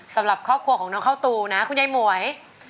สำหรับครอบครัวของน้องเข้าตูนะคุณยายหมวย